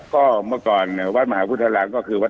ก็เมื่อก่อนมาหาพิทราระก็คือครับ